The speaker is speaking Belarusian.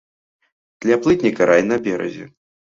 Для плытніка рай на беразе.